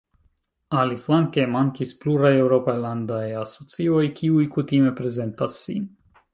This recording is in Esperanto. Aliflanke mankis pluraj eŭropaj landaj asocioj, kiuj kutime prezentas sin.